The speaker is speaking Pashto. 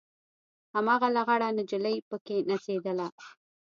هماغه لغړه نجلۍ پکښې نڅېدله.